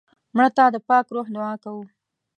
مړه ته د پاک روح دعا کوو